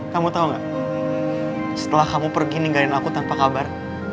kamu tau gak setelah kamu pergi ninggarin aku tanpa kabar